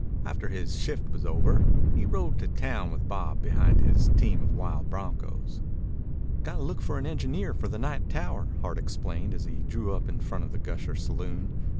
After his shift was over, he rode to town with Bob behind his team of wild broncos. "Got to look for an engineer for the night tower," Hart explained as he drew up in front of the Gusher Saloon.